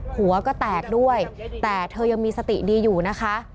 หัวก็แตกด้วยแต่เธอยังมีสติดีอยู่นะคะ